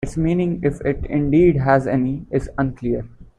Its meaning, if indeed it has any, is unclear.